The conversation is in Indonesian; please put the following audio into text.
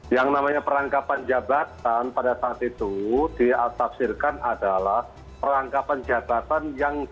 yang namanya perangkapan jabatan pada saat itu diatapsirkan adalah perangkapan jabatan yang